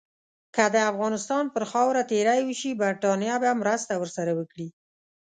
که د افغانستان پر خاوره تیری وشي، برټانیه به مرسته ورسره وکړي.